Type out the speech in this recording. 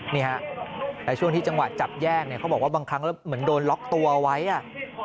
นี่ฮะแต่ช่วงที่จังหวะจับแยกเนี่ยเขาบอกว่าบางครั้งแล้วเหมือนโดนล็อกตัวไว้อ่ะ